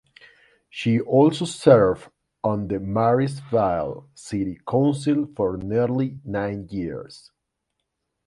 She also served on the Marysville City Council for nearly nine years.